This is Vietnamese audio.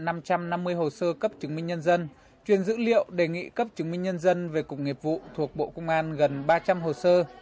công an tỉnh quảng ninh đã tiếp nhận ba trăm năm mươi hồ sơ cấp chứng minh nhân dân truyền dữ liệu đề nghị cấp chứng minh nhân dân về cục nghiệp vụ thuộc bộ công an gần ba trăm linh hồ sơ